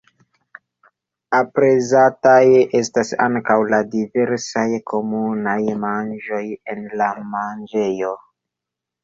Aprezataj estas ankaŭ la diversaj komunaj manĝoj en la manĝejo.